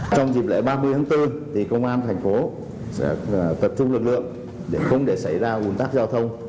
trong dịp lễ ba mươi tháng bốn công an thành phố sẽ tập trung lực lượng để không để xảy ra ủn tắc giao thông